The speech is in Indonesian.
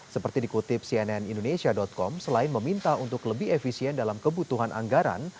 seperti dikutip cnn indonesia com selain meminta untuk lebih efisien dalam kebutuhan anggaran